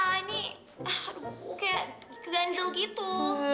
ini kayak keganjel gitu